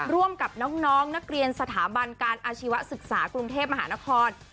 ร่วมกับน้องนักเรียนสถาบันการอาชีวศึกษากรุงเทพมหานคร